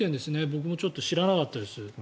僕もちょっと知らなかったです。